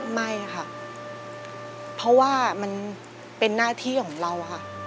ไม่ค่ะเพราะว่ามันเป็นหน้าที่ของเราค่ะ